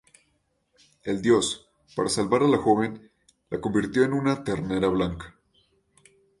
El dios, para salvar a la joven, la convirtió en una ternera blanca.